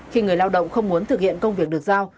khi người lao động không muốn thực hiện công việc được giao